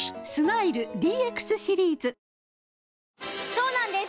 そうなんです